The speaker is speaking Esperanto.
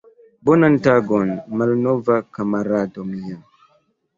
Bonan tagon, malnova kamarado mia!